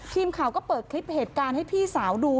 ทีมข่าวก็เปิดคลิปเหตุการณ์ให้พี่สาวดู